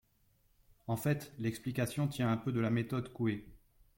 En fait, l’explication tient un peu de la méthode Coué.